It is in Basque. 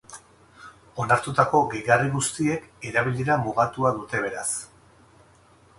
Onartutako gehigarri guztiek erabilera mugatua dute, beraz.